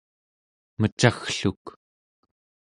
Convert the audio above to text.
mecaggluk